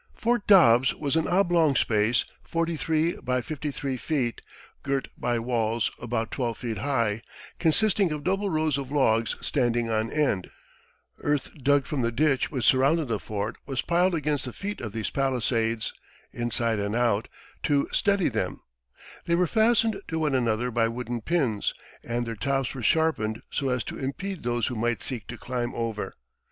Fort Dobbs was an oblong space forty three by fifty three feet, girt by walls about twelve feet high, consisting of double rows of logs standing on end; earth dug from the ditch which surrounded the fort was piled against the feet of these palisades, inside and out, to steady them; they were fastened to one another by wooden pins, and their tops were sharpened so as to impede those who might seek to climb over.